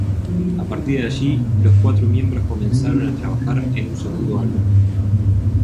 A partir de allí, los cuatro miembros comenzaron a trabajar en un segundo álbum.